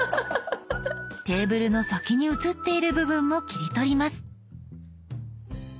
テーブルの先に写っている部分も切り取ります。